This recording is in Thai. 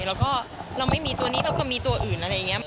แล้วก็เราไม่มีตัวนี้เราก็มีตัวอื่นอะไรอย่างนี้